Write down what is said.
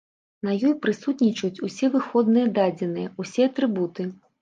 На ёй прысутнічаюць усе выходныя дадзеныя, усе атрыбуты.